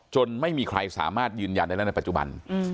ไม่มีใครสามารถยืนยันได้แล้วในปัจจุบัน